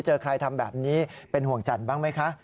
เจอใครทำแบบนี้เป็นห่วงจันทร์บ้างไหมคะ